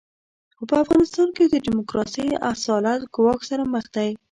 خو په افغانستان کې د ډیموکراسۍ اصالت ګواښ سره مخ دی.